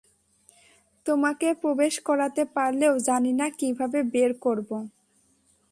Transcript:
তোমাকে প্রবেশ করাতে পারলেও জানি না কীভাবে বের করব!